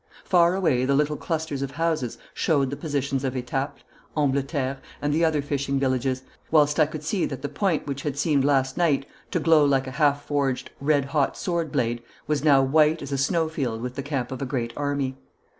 Far away the little clusters of houses showed the positions of Etaples, Ambleterre, and the other fishing villages, whilst I could see that the point which had seemed last night to glow like a half forged red hot sword blade was now white as a snow field with the camp of a great army.